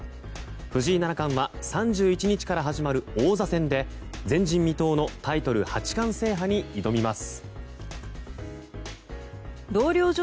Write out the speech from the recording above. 藤井七冠は３１日から始まる王座戦で前人未到のタイトル八冠制覇に挑みます。